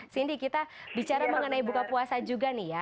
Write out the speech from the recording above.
cindy kita bicara mengenai buka puasa juga nih ya